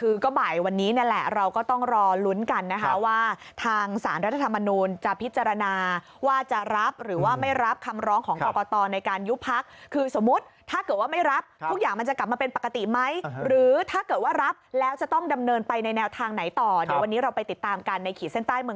คือก็บ่ายวันนี้นั่นแหละเราก็ต้องรอลุ้นกันนะคะว่าทางสารรัฐธรรมนูลจะพิจารณาว่าจะรับหรือว่าไม่รับคำร้องของกรกตในการยุบพักคือสมมุติถ้าเกิดว่าไม่รับทุกอย่างมันจะกลับมาเป็นปกติไหมหรือถ้าเกิดว่ารับแล้วจะต้องดำเนินไปในแนวทางไหนต่อเดี๋ยววันนี้เราไปติดตามกันในขีดเส้นใต้เมือง